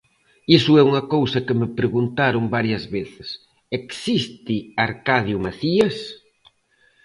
Iso é unha cousa que me preguntaron varias veces: Existe Arcadio Macías?